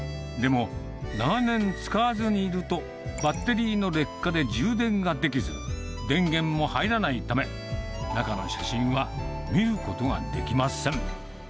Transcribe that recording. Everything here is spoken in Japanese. でも、長年使わずにいると、バッテリーの劣化で充電ができず、電源も入らないため、中の写真は見ることができません。